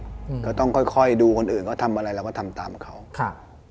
อืมก็ต้องค่อยค่อยดูคนอื่นเขาทำอะไรเราก็ทำตามเขาค่ะ